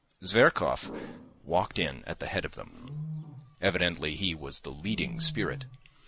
Zverkov walked in at the head of them; evidently he was the leading spirit.